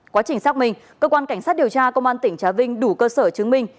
quá trình xác minh cơ quan cảnh sát điều tra công an tỉnh trà vinh đủ cơ sở chứng minh